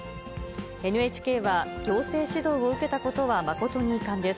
ＮＨＫは、行政指導を受けたことは誠に遺憾です。